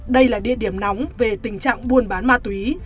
đây là địa điểm nóng về tình trạng buôn bán ma túy